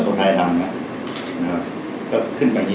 คนไทยทำนะครับ